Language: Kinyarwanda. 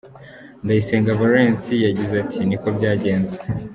Ndayisenga Valens yagize ati “Ni ko byagenze.